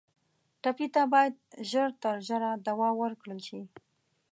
ټپي ته باید ژر تر ژره دوا ورکړل شي.